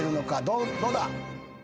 どうだ？